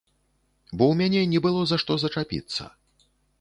Бо ў мяне не было за што зачапіцца.